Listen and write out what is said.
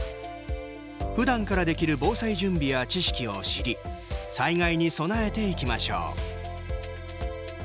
ふだんからできる防災準備や知識を知り災害に備えていきましょう。